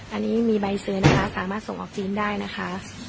อันนี้มีใบซื้อนะคะสามารถส่งออกจีนได้นะคะ